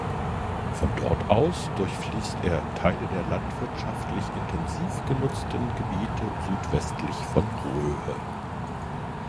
Von dort aus durchfließt er Teile der landwirtschaftlich intensiv genutzten Gebiete südwestlich von Röhe.